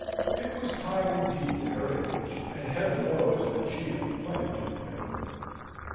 It was time, indeed, at her age; and Heaven knows that she had plenty to repent of!